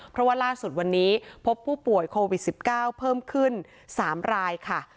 เพราะว่าล่าสุดวันนี้พบผู้ป่วยโควิด๑๙เพิ่มขึ้น๓รายค่ะ